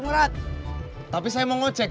translate di sampai bertemu di podcast